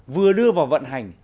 vừa đưa vào vận hành